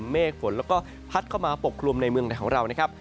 มาปกคลุมในเมืองของเรานะครับ